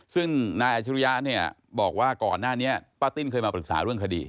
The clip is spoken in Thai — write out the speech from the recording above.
ซึ่งนายอาชิริยะเนี่ยบอกว่าก่อนหน้านี้ป้าติ้นเคยมาปรึกษาเรื่องคดี